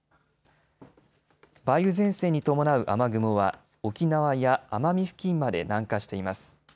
梅雨前線に伴う雨雲は沖縄や奄美付近まで南下しています。